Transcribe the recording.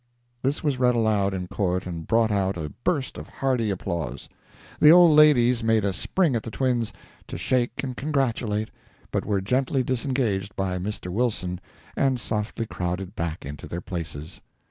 This was read aloud in court and brought out a burst of hearty applause. The old ladies made a spring at the twins, to shake and congratulate, but were gently disengaged by Mr. Wilson and softly crowded back into their places.